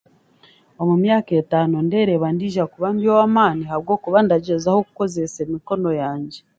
Omu myaka etaano, ndeereeba ndiija kuba ndi owamaani ahabwokuba ndagyezaho kukozeesa emikono yangye.